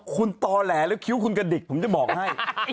คุณต่อแหลแล้วคิ้วคุณกระดิกผมจะบอกให้